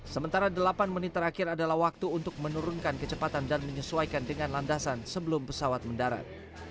sementara delapan menit terakhir adalah waktu untuk menurunkan kecepatan dan menyesuaikan dengan landasan sebelum pesawat mendarat